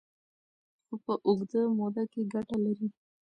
خو په اوږده موده کې ګټه لري.